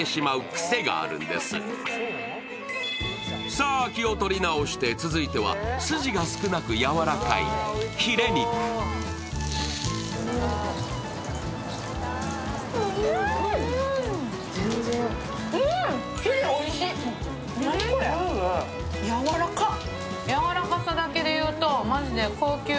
さあ、気を取り直して、続いては筋が少なくやわらかいヒレ肉。やわらかっ！